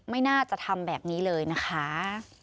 ไม่น่าจะทำแบบนี้เลยนะคะ